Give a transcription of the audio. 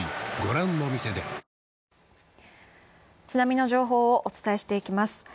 津波の情報をお伝えしていきます